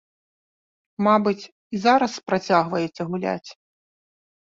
Мабыць, і зараз працягваеце гуляць?